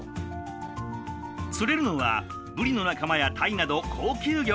釣れるのはブリの仲間やタイなど高級魚。